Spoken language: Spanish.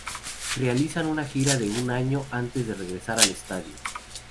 Realizan una gira de un año antes de regresar al estudio.